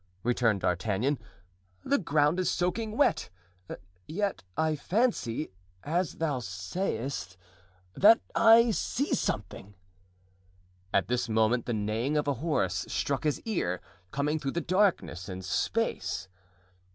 returned D'Artagnan. "The ground is soaking wet; yet I fancy, as thou sayest, that I see something." At this moment the neighing of a horse struck his ear, coming through darkness and space.